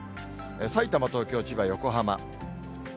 さいたま、東京、千葉、横浜。